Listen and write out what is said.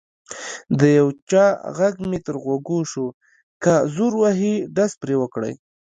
د یو چا غږ مې تر غوږ شو: که زور وهي ډز پرې وکړئ.